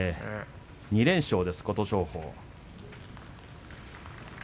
２連勝です、琴勝峰。